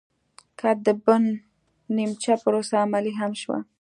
که د بن نیمچه پروسه عملي هم شوله